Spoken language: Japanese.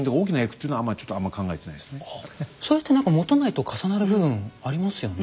それって何か元就と重なる部分ありますよね。